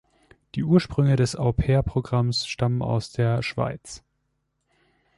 Die Ursprünge des Au pair-Programms stammen aus der Schweiz.